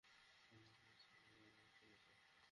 আমাকে ছাড়া যাবে না, ঠিক আছে?